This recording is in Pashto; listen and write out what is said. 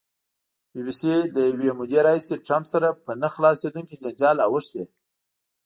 بي بي سي له یوې مودې راهیسې ټرمپ سره په نه خلاصېدونکي جنجال اوښتې.